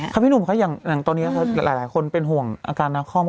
พี่หนุ่มค่ะอย่างตอนนี้หลายคนเป็นห่วงอาการนาคอม